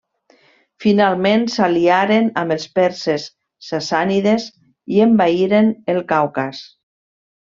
Finalment s'aliaren amb els perses sassànides i envaïren el Caucas.